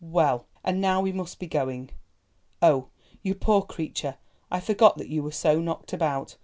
"Well, and now we must be going. Oh! you poor creature, I forgot that you were so knocked about.